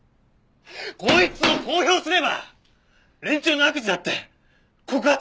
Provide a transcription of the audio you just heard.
こいつを公表すれば連中の悪事だって告発できたはずだ！